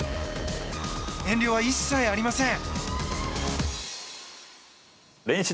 遠慮は一切ありません。